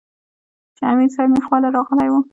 چې امير صېب مې خواله راغلے وۀ -